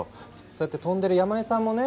そうやって飛んでる山根さんもね